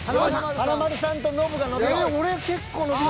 華丸さんとノブが伸びろ。